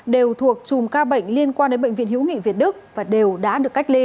đều thuộc chùm ca bệnh liên quan đến bệnh viện hữu nghị việt đức và đều đã được cách ly